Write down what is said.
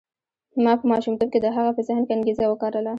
ما په ماشومتوب کې د هغه په ذهن کې انګېزه وکرله.